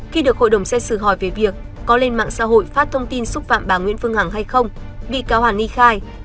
khi được hội đồng xét xử hỏi về việc có lên mạng xã hội phát thông tin xúc phạm bà nguyễn phương hằng hay không bị cáo hàn ni khai